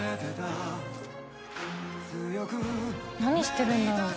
田村）何してるんだろう？